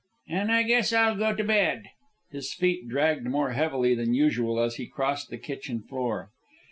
"An' I guess I'll go to bed." His feet dragged more heavily than usual as he crossed the kitchen floor.